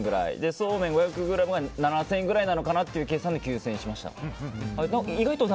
そうめん５００ｇが７０００円ぐらいなのかなっていう予想で９０００円にしました。